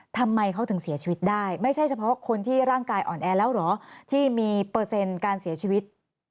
ทำไมเขาถึงเสียชีวิตได้ไม่ใช่เฉพาะคนที่ร่างกายอ่อนแอแล้วเหรอที่มีเปอร์เซ็นต์การเสียชีวิต